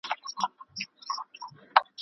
په دغه کوڅې کي تل د ګاډو بیروبار وي.